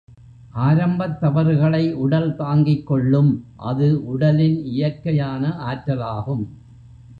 ஆரம்பத் தவறுகளை உடல் தாங்கிக் கொள்ளும் அது உடலின் இயற்கையான ஆற்றலாகும்.